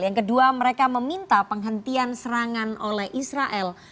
yang kedua mereka meminta penghentian serangan oleh israel